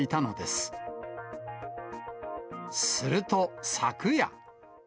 すると、昨夜。